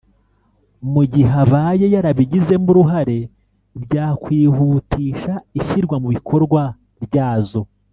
Mu gihe abaye yarabigizemo uruhare byakwihutisha ishyirwa mu bikorwa ryazo